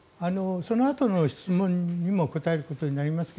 そのあとの質問にも答えることになりますが。